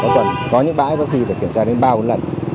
có những bãi có khi phải kiểm tra đến ba bốn lần